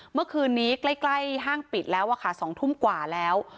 เมื่อคืนนี้ใกล้ห้างปิดแล้วค่ะ๒ทุ่มกว่าแล้ว